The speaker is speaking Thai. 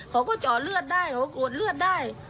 เขาก็เจาะเลือดได้เขากดเลือดได้